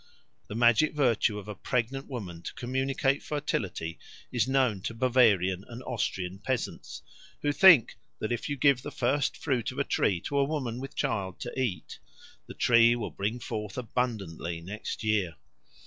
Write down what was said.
The magic virtue of a pregnant woman to communicate fertility is known to Bavarian and Austrian peasants, who think that if you give the first fruit of a tree to a woman with child to eat, the tree will bring forth abundantly next year.